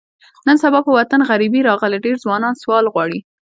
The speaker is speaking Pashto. نن سبا په وطن غریبي راغلې، ډېری ځوانان سوال غواړي.